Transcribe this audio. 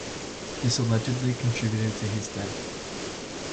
This allegedly contributed to his death.